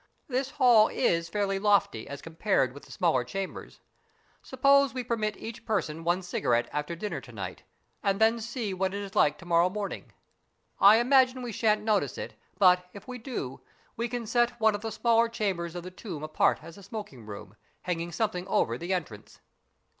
This hall is fairly lofty as compared with the smaller chambers. Suppose we permit each person one cigarette after dinner to night, and then see what it is like to morrow morning ? I imagine we shan't notice it, but, if we do, we can set one of the smaller chambers of the tomb apart as a smoking room, hanging something over the entrance."